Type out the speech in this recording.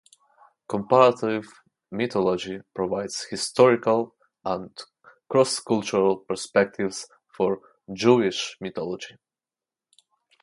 Comparative mythology provides historical and cross-cultural perspectives for Jewish mythology.